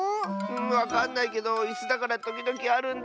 わかんないけどいすだからときどきあるんだ。